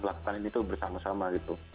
bahwa kita melakukan ini bersama sama gitu